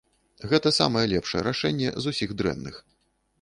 Гэтае самае лепшае рашэнне з усіх дрэнных.